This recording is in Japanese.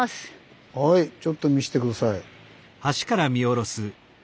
はいちょっと見して下さい。